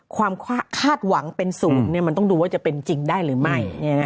ความคาดหวังเป็นศูนย์มันต้องดูว่าจะเป็นจริงได้หรือไม่